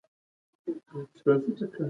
د جګړې ډګر د ټپيانو او وژل سوو ډک و.